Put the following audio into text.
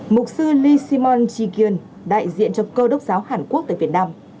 mục sư lee simong chi kyun đại diện cho cơ đốc giáo hàn quốc tại việt nam